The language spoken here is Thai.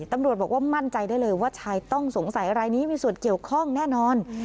ตำรวจบอกว่ามั่นใจได้เลยว่าชายต้องสงสัยรายนี้มีส่วนเกี่ยวข้องแน่นอน